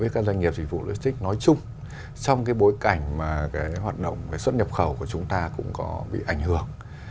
các cảnh hoạt động xuất nhập khẩu của chúng ta cũng có bị ảnh hưởng